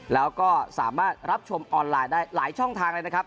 แล้วก็สามารถรับชมออนไลน์ได้หลายช่องทางเลยนะครับ